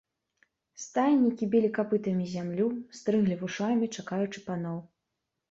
Стаеннікі білі капытамі зямлю, стрыглі вушамі, чакаючы паноў.